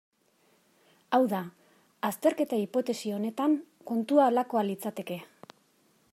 Hau da, azterketa hipotesi honetan kontua halakoa litzateke.